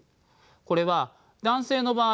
これは男性の場合